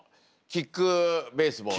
キックベース。